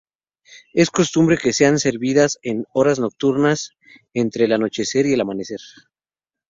Es costumbre que sean servidas en horas nocturnas, entre el anochecer y el amanecer.